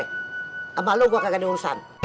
sama lo gue enggak diurusan